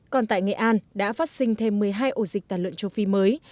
còn tại nghệ an đã phát sinh thêm một mươi hai ổ dịch tà lợn châu phi mới